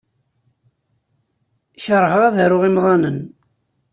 Keṛheɣ ad aruɣ imḍanen.